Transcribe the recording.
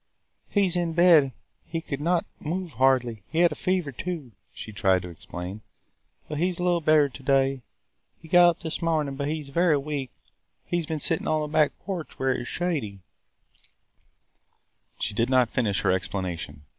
"He was in bed; he could not move hardly. He had a fever too," she tried to explain. "But he is a little better to day. He got up this morning. But he is very weak. He has been sitting on the back porch where it was shady –" She did not finish her explanation.